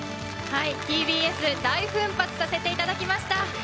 ＴＢＳ大奮発させていただきました。